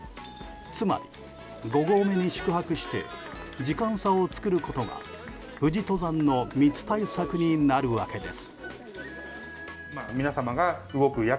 つまり、５合目に宿泊して時間差を作ることが富士登山の密対策になるわけです。